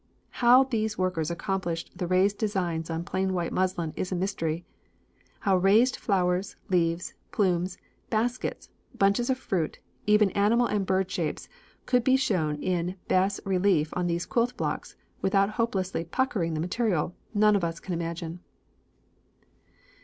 How these workers accomplished the raised designs on plain white muslin is the mystery. How raised flowers, leaves, plumes, baskets, bunches of fruit, even animal and bird shapes, could be shown in bas relief on these quilt blocks without hopelessly 'puckering' the material, none of us can imagine."